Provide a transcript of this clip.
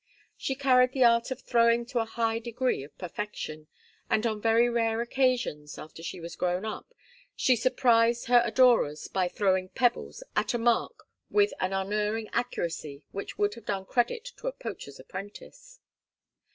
She carried the art of throwing to a high degree of perfection, and on very rare occasions, after she was grown up, she surprised her adorers by throwing pebbles at a mark with an unerring accuracy which would have done credit to a poacher's apprentice.